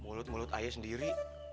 mulut mulut ayah sendiri